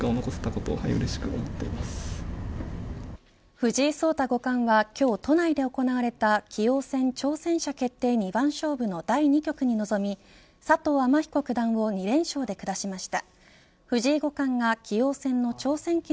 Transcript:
藤井聡太五冠は今日都内で行われた棋王戦挑戦者決定二番勝負の第二局に臨み佐藤天彦九段を２連勝で下しました。